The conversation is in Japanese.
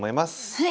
はい。